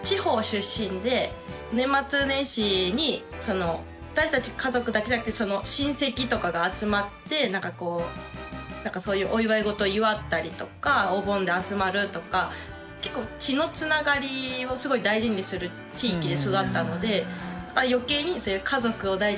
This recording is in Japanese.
年末年始に私たち家族だけじゃなくて親戚とかが集まってそういうお祝い事を祝ったりとかお盆で集まるとか結構血のつながりをすごい大事にする地域で育ったので余計に私の幸せにおいてはとっても重要。